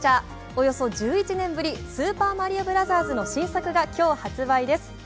およそ１１年ぶり、「スーパーマリオブラザーズ」の新作が今日発売です。